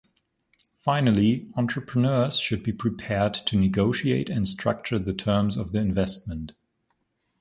Finally, entrepreneurs should be prepared to negotiate and structure the terms of the investment.